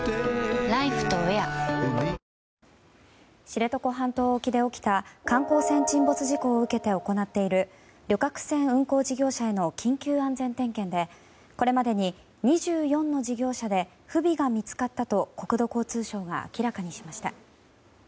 知床半島沖で起きた観光船沈没事故を受けて行っている旅客船運航事業者への緊急安全点検でこれまでに、２４の事業者で不備が見つかったと国土交通省が明らかにしました。